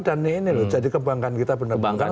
dan ini loh jadi kebanggaan kita benar benar